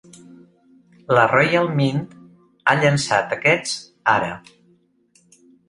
La "Royal Mint" ha llançat aquests ara.